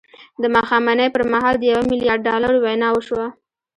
د ماښامنۍ پر مهال د یوه میلیارد ډالرو وینا وشوه